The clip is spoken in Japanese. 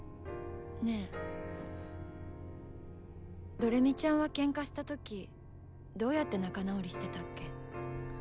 どれみちゃんはけんかした時どうやって仲直りしてたっけ。